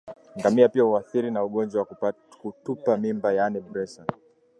Ngamia pia huathirika na ugonjwa wa kutupa mimba yaani Brusela